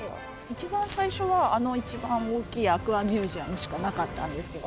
一番最初はあの一番大きいアクアミュージアムしかなかったんですけど。